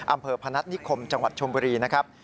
อำเภอพนัสนิคคมจังหวัดชมบุรีนะครับ